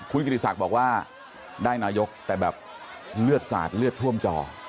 คุณกิติศักดิ์บอกว่าได้นายกแต่แบบเลือดสาดเลือดท่วมจอ